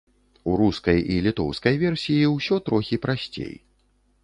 У рускай і літоўскай версіі ўсё трохі прасцей.